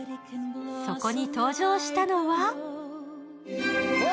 そこに登場したのはうわ！